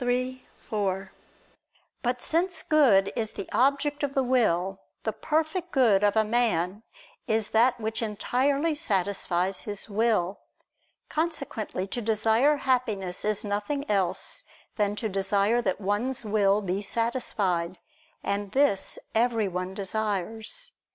3, 4). But since good is the object of the will, the perfect good of a man is that which entirely satisfies his will. Consequently to desire happiness is nothing else than to desire that one's will be satisfied. And this everyone desires.